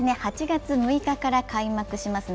８月６日から開幕します